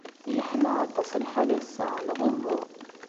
Yeḥma aṭas n lḥal ass-a, neɣ uhu?